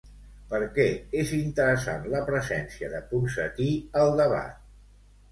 Per què és interessant la presència de Ponsatí al debat?